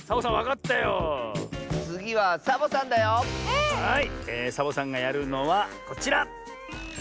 えサボさんがやるのはこちら。